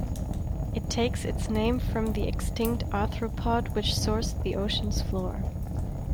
It takes its name from the extinct arthropod, which scoured the ocean's floor.